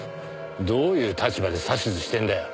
どういう立場で指図してんだよ。